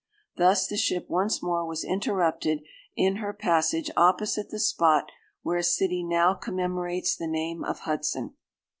Thus the ship once more was interrupted in her passage opposite the spot where a city now commemorates the name of Hudson.